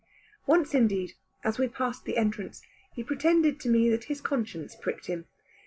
Once indeed, as we passed the entrance, he pretended to me that his conscience pricked him.